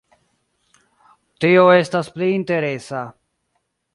Tio estas pli interesa.